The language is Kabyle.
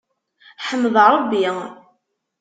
Ḥmed Rebbi.